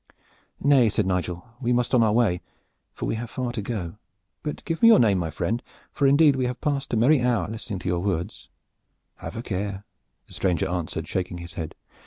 "Nay," said Nigel, "we must on our way, for we have far to go. But give me your name, my friend, for indeed we have passed a merry hour listening to your words." "Have a care!" the stranger answered, shaking his head.